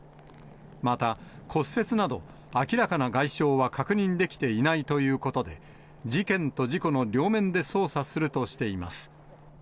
また、骨折など、明らかな外傷は確認できていないということで、事件と事故の両面で捜査するとしています。